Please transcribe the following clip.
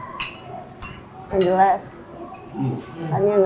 uang masih seri tabung